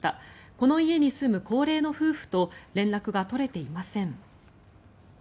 この家に住む高齢の夫婦と連絡が取れていません。